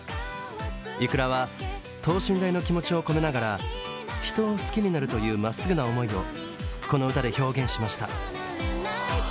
ｉｋｕｒａは等身大の気持ちを込めながら人を好きになるというまっすぐな思いをこの歌で表現しました。